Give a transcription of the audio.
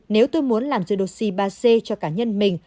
nếu tôi muốn làm giới đột si ba c cho cá nhân mình